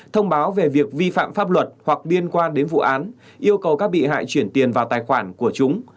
thông báo về việc vi phạm pháp luật hoặc liên quan đến vụ án yêu cầu các bị hại chuyển tiền vào tài khoản của chúng